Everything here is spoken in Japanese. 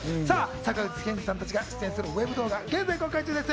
坂口憲二さんたちが出演するＷＥＢ動画は現在公開中です。